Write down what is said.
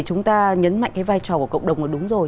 chúng ta nhấn mạnh cái vai trò của cộng đồng là đúng rồi